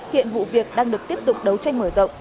hiện vụ việc đang được tiếp tục đấu tranh mở rộng